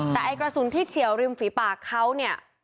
แต่ไอ้กระสุนที่เฉียวริมฝีปากเขาเนี่ย